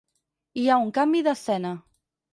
Hi ha un canvi d'escena.